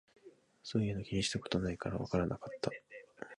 そういうの気にしたことないからわからなかった